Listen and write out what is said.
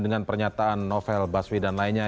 dengan pernyataan novel baswi dan lainnya